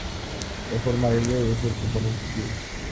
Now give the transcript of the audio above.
La forma L es el componente activo.